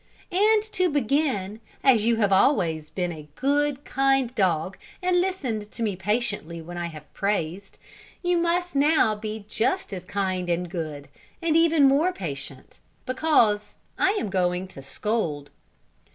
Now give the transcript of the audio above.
And to begin, as you have always been a good, kind dog, and listened to me patiently when I have praised, you must now be just as kind and good, and even more patient, because I am going to scold.